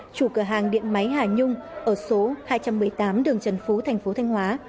chủ cửa hàng điện máy hà nhung ở số hai trăm một mươi tám đường trần phú thành phố thanh hóa